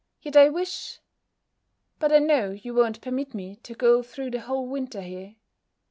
Yet I wish But I know you won't permit me to go through the whole winter here.